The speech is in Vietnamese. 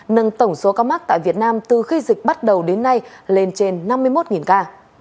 nâng tổng số ca mắc tại việt nam từ khi dịch bắt đầu đến nay lên trên năm mươi một ca